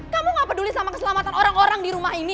kamu gak peduli sama keselamatan orang orang di rumah ini